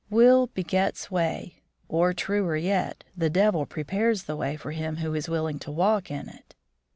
Will begets way, or, truer yet, the devil prepares the way for him who is willing to walk in it.